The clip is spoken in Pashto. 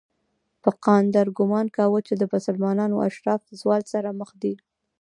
پفاندر ګومان کاوه چې د مسلمانانو اشراف زوال سره مخ دي.